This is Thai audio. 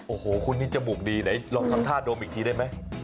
โอ้โหคุณนี่จมูกดีไหนลองทำท่าดมอีกทีได้ไหม